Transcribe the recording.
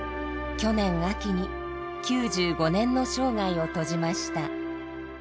去年秋に９５年の生涯を閉じました。